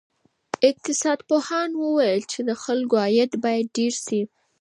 اقتصاد پوهانو وویل چې د خلکو عاید باید ډېر سي.